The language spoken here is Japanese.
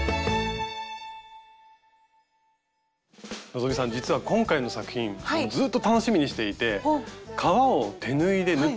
希さん実は今回の作品ずっと楽しみにしていて革を手縫いで縫ってみたかったんですよ。